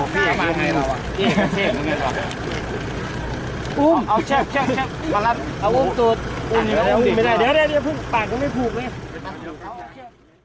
เดี๋ยวปากยังไม่ผูกเลย